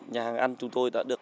nhà hàng ăn của chúng tôi đã được